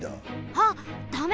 あっダメ！